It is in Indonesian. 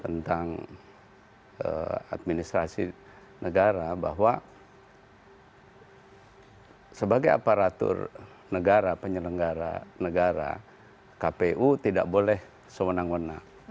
tentang administrasi negara bahwa sebagai aparatur negara penyelenggara negara kpu tidak boleh sewenang wenang